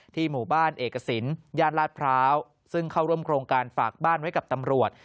หมู่บ้านเอกสินย่านลาดพร้าวซึ่งเข้าร่วมโครงการฝากบ้านไว้กับตำรวจ